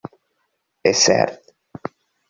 És cert?